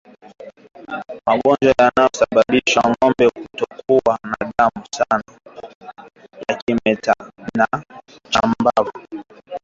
Magonjwa yanayosababisha ngombe kutokwa damu sana hujumuisha magonjwa ya kimeta na chambavu